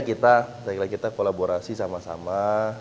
kita kolaborasi sama sama